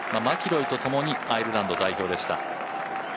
マキロイと共にアイルランド代表でした。